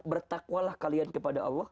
bertakwalah kalian kepada allah